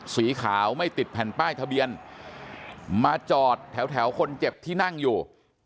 สีขาวไม่ติดแผ่นป้ายทะเบียนมาจอดแถวคนเจ็บที่นั่งอยู่